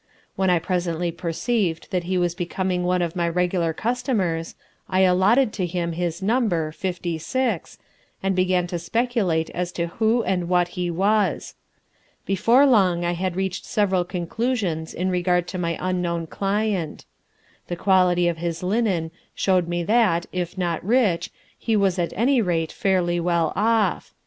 When I presently perceived that he was becoming one of my regular customers, I allotted to him his number, Fifty Six, and began to speculate as to who and what he was. Before long I had reached several conclusions in regard to my unknown client. The quality of his linen showed me that, if not rich, he was at any rate fairly well off.